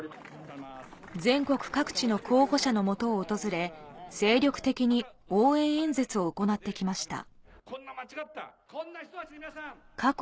全国各地の候補者のもとを訪れ、精力的に応援演説を行ってきました。